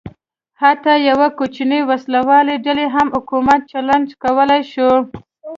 حتی یوې کوچنۍ وسله والې ډلې هم حکومت چلنج کولای شو.